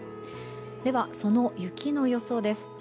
では、その雪の予想です。